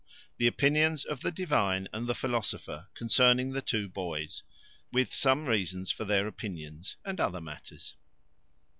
The opinions of the divine and the philosopher concerning the two boys; with some reasons for their opinions, and other matters.